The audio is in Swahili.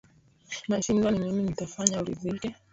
Nashindwa ni nini nitafanya uridhike